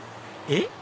えっ？